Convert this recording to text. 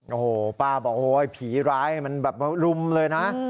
โอ้โหป้าบอกโอ้โหไอ้ผีร้ายมันแบบลุมเลยนะ